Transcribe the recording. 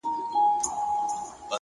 د چا د ويښ زړگي ميسج ننوت؛